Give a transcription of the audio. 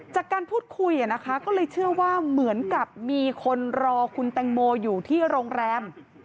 จากการพูดคุยนะคะก็เลยเชื่อว่าเหมือนกับมีคนรอคุณแตงโมอยู่ที่โรงแรม